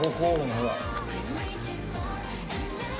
ほら。